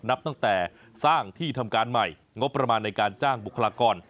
นับตั้งแต่สร้างที่ทำการใหม่งบประมาณในการจ้างบุคลากร